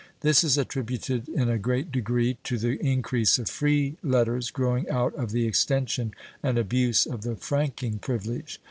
This is attributed in a great degree to the increase of free letters growing out of the extension and abuse of the franking privilege.